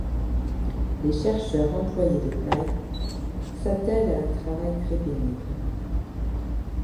Les chercheurs employés de Knight s'attèlent à un travail très pénible.